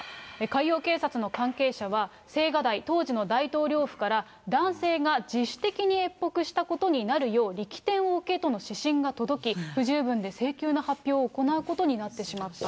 海洋警察の関係者は青瓦台、当時の大統領府から男性が自主的に越北したことになるよう、力点を置けとの指針が届き、不十分で性急な発表を行うことになってしまったと。